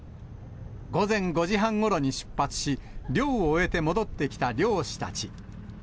午前５時半ごろに出発し、漁を終えて戻ってきた漁師たち。